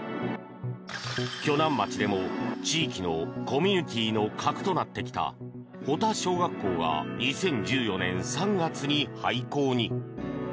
鋸南町でも地域のコミュニティーの核となってきた保田小学校が２０１４年３月に廃校に。